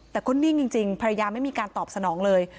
แต่ก็นิ่งจริงภรรยาไม่มีการตอบสนองเลย